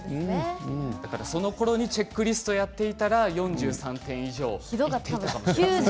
そのころチェックリストをやっていたら４３点以上だったかもしれませんね。